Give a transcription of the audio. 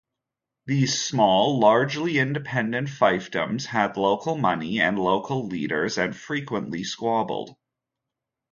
These small, largely independent fiefdoms had local money and local leaders, and frequently squabbled.